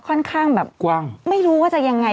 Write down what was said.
ค่อนข้างแบบกว้างไม่รู้ว่าจะยังไง